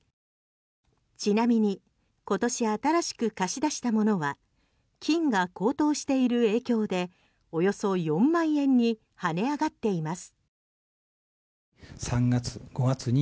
ちなみに今年新しく貸し出したものは金が高騰している影響でおよそ４万円に跳ね上がっています。